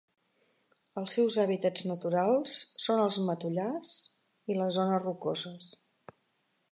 Els seus hàbitats naturals són els matollars i les zones rocoses.